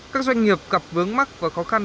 các doanh nghiệp gặp vướng mắc và khó khăn